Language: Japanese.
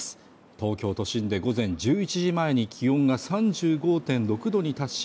東京都心で午前１１時前に気温が３５．６度に達し